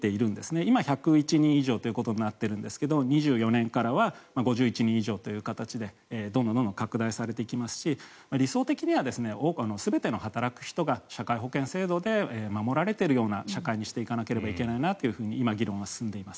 今、１０１人以上となっているんですが２４年からは５１人以上という形でどんどん拡大されていきますし理想的には全ての働く人が社会保険制度で守られているような社会にしていかなければいけないなと今、議論は進んでいます。